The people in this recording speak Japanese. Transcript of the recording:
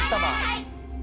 はい。